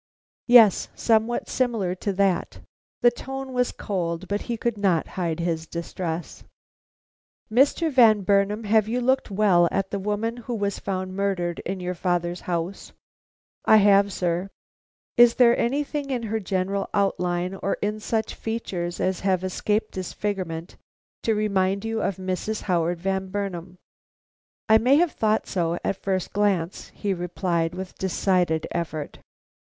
"Yes, somewhat similar to that." The tone was cold; but he could not hide his distress. "Mr. Van Burnam, have you looked well at the woman who was found murdered in your father's house?" "I have, sir." "Is there anything in her general outline or in such features as have escaped disfigurement to remind you of Mrs. Howard Van Burnam?" "I may have thought so at first glance," he replied, with decided effort.